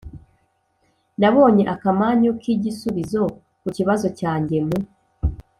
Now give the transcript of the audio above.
nabonye akamanyu k'igisubizo ku kibazo cyanjye mu